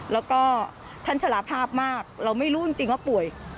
แล้วก็ท่านชะละภาพมากเราไม่รู้จริงว่าป่วย